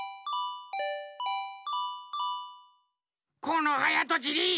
このはやとちり！